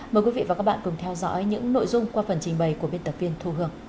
mời quý vị và các bạn cùng theo dõi những nội dung qua phần trình bày của biên tập viên thu hương